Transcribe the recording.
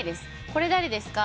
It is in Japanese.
これ誰ですか？